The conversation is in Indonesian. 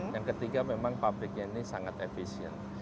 dan ketiga memang public nya ini sangat efisien